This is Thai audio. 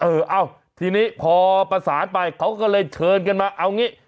เอ้าทีนี้พอประสานไปเขาก็เลยเชิญกันมาเอางี้